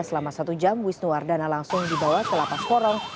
selama satu jam wisnuwardana langsung dibawa ke lapas korong